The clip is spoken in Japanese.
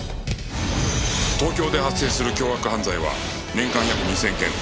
東京で発生する凶悪犯罪は年間約２０００件